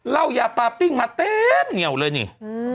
เหล้ายาปลาปิ้งมาเต็มเหนียวเลยนี่